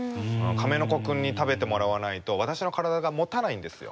カメノコ君に食べてもらわないと私の体がもたないんですよ。